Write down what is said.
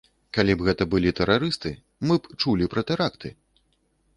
Калі б гэта былі тэрарысты, мы б чулі пра тэракты.